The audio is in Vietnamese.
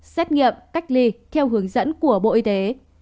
xét nghiệm cách ly theo hướng dẫn của bộ y tế